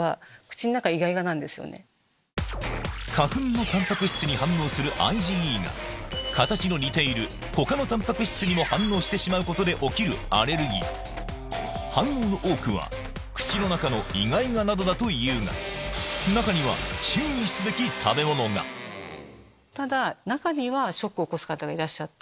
花粉のタンパク質に反応するＩｇＥが形の似ている他のタンパク質にも反応してしまうことで起きるアレルギー反応の多くは口の中のイガイガなどだというがただ中にはショックを起こす方がいらっしゃって。